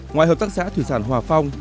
ngoài hợp tác xã thủy sản hòa phong